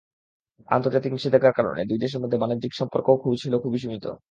আন্তর্জাতিক নিষেধাজ্ঞার কারণে দুই দেশের মধ্যে বাণিজ্যিক সম্পর্কও ছিল খুবই সীমিত।